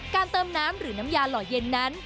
เติมน้ำหรือน้ำยาหล่อเย็นนั้น